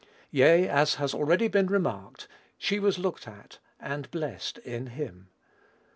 Yea, as has already been remarked, she was looked at, and blessed in him.